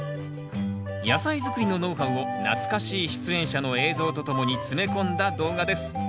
野菜作りのノウハウを懐かしい出演者の映像とともに詰め込んだ動画です